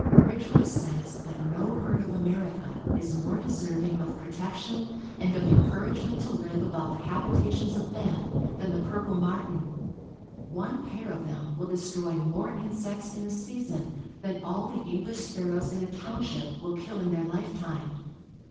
Ridgway says that no bird of America is more deserving of protection and of encouragement to live about the habitations of man than the purple martin. One pair of them will destroy more insects in a season than all the English sparrows in a township will kill in their life time.